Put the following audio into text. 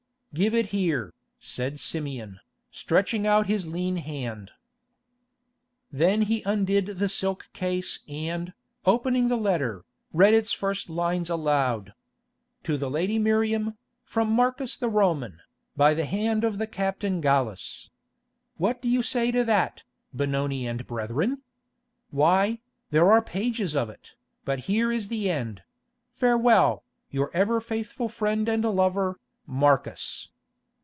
"Give it here," said Simeon, stretching out his lean hand. Then he undid the silk case and, opening the letter, read its first lines aloud. "'To the lady Miriam, from Marcus the Roman, by the hand of the Captain Gallus.' What do you say to that, Benoni and brethren? Why, there are pages of it, but here is the end: 'Farewell, your ever faithful friend and lover, Marcus.